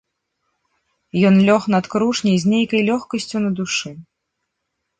Ён лёг над крушняй з нейкай лёгкасцю на душы.